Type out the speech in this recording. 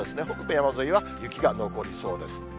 北部山沿いは雪が残りそうです。